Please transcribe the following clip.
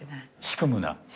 仕組むな。